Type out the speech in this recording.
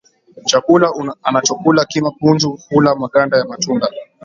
Chakula anachokula kima Punju hula maganda ya matunda